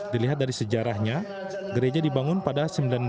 dilihat dari sejarahnya gereja dibangun pada seribu sembilan ratus enam puluh